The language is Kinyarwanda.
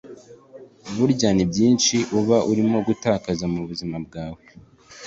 burya ni byinshi uba urimo gutakaza mu buzima bwawe